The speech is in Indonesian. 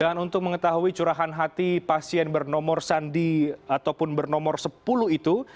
dan untuk mengetahui curahan hati pasien bernomor sandi ataupun bernomor sepuluh itu